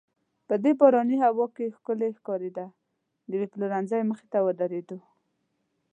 په دې باراني هوا کې ښکلې ښکارېده، د یوې پلورنځۍ مخې ته ودریدو.